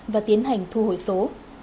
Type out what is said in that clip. và tiến hành thu hồi số